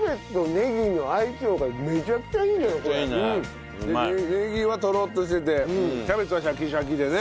ねぎはとろっとしててキャベツはシャキシャキでね。